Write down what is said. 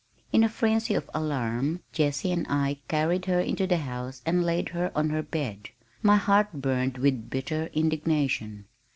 In a frenzy of alarm, Jessie and I carried her into the house and laid her on her bed. My heart burned with bitter indignation.